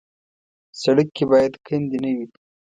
سړک کې باید کندې نه وي.